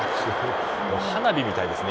花火みたいですね。